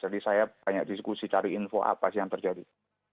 jadi saya banyak diskusi cari info apa sih yang terjadi